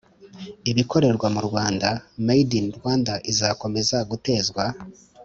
Ibikorerwa mu rwanda made in rwanda izakomeza gutezwa